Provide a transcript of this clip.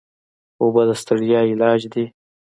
اوبه د ستړیا علاج دي.